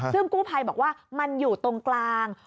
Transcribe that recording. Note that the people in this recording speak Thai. ซึ่งกู้ภัยบอกว่ามันอยู่ตรงกลาง